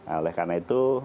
oleh karena itu